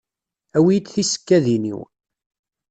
Awi-yi-d tisekkadin-iw.